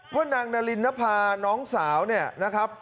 นางนารินนภาน้องสาวเนี่ยนะครับ